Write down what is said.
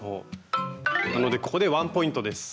なのでここでワンポイントです。